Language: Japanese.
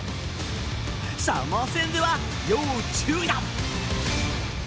サモア戦では要注意だ。